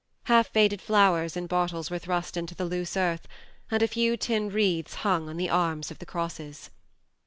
Half faded flowers in bottles were thrust into the loose earth, and a few tin wreaths hung on the arms of the crosses.